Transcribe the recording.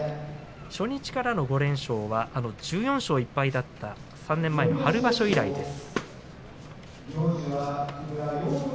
初日からの５連勝は１４勝１敗だった３年前の春場所以来です。